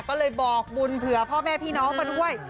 ก็เลยบอกบุญเผื่อพ่อแม่พี่น้องมาด้วย